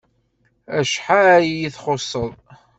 Acḥal iyi-txuṣṣeḍ!